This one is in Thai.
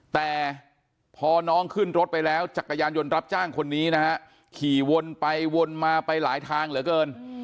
แต่พอน้องขึ้นรถไปแล้วจักรยานยนต์รับจ้างคนนี้นะฮะขี่วนไปวนมาไปหลายทางเหลือเกิน